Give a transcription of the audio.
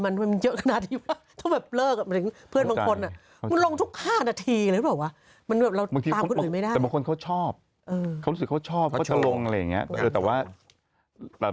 อันนี้คือเกยงงอนแล้วก็ส่งข้อความมาทุกวัน